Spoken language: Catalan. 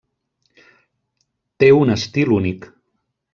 Té un estil únic.